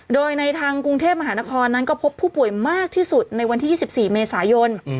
โดยในทางกรุงเทพมหานครนั้นก็พบผู้ป่วยมากที่สุดในวันที่๒๔เมษายน